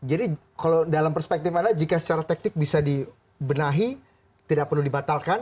jadi kalau dalam perspektif anda jika secara teknik bisa dibenahi tidak perlu dibatalkan